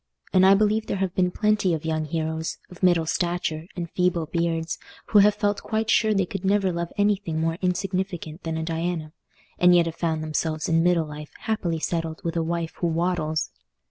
And I believe there have been plenty of young heroes, of middle stature and feeble beards, who have felt quite sure they could never love anything more insignificant than a Diana, and yet have found themselves in middle life happily settled with a wife who waddles.